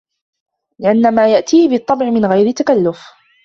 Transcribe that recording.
لِأَنَّ مَا يَأْتِيهِ بِالطَّبْعِ مِنْ غَيْرِ تَكَلُّفٍ